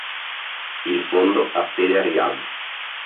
Il fondo ha sede a Riad.